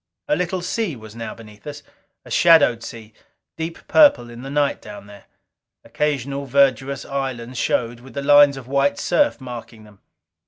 A little sea was now beneath us. A shadowed sea, deep purple in the night down there. Occasional verdurous islands showed, with the lines of white surf marking them.